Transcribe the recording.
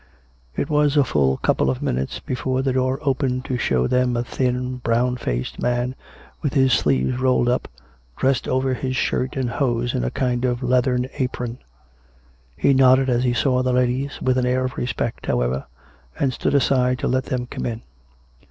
... It was a full couple of minutes before the door opened to show them a thin, brown faced man, with his sleeves rolled up, dressed over his shirt and hose in a kind of leathern apron. He nodded as he saw the ladies, with an air of respect, however, and stood aside to let them come in.